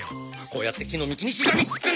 こうやって木の幹にしがみつくんだ！